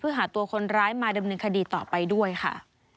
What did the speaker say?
หาตัวคนร้ายมาดำเนินคดีต่อไปด้วยค่ะ